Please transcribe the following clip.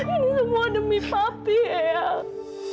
ini semua demi papi ayang